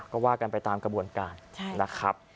ก็ว่ากันไปตามกระบวนการนะครับ